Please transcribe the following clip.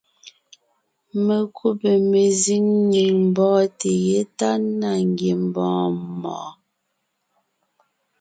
Mekúbè mezíŋ nyìŋ mbɔ́ɔnte yétana ngiembɔɔn mɔɔn.